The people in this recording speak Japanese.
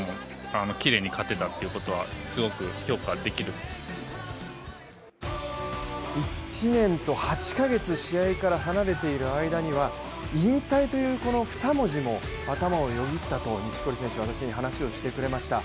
試合後、本人は１年と８か月、試合から離れている間には引退というこの２文字も頭をよぎったと錦織選手は私に話をしてくれました。